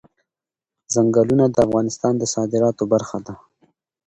چنګلونه د افغانستان د صادراتو برخه ده.